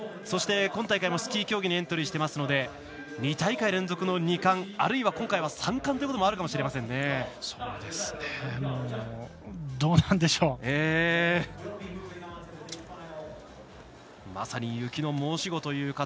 そして、今大会もスキー競技にエントリーしていますので２大会連続の２冠、あるいは今回は３冠ということもどうなんでしょう。